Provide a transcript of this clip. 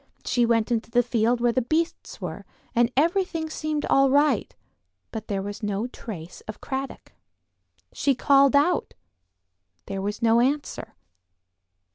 She went into the field where the beasts were, and everything seemed all right, but there was no trace of Cradock. She called out; there was no answer.